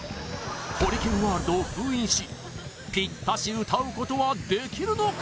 ホリケンワールドを封印しピッタシ歌うことはできるのか？